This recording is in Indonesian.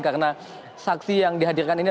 karena saksi yang dihadirkan ini